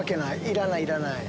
いらないいらない。